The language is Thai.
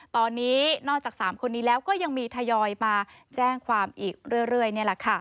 ตอนนี้นอกจาก๓คนนี้แล้วก็ยังมีทยอยมาแจ้งความอีกเรื่อยนี่แหละค่ะ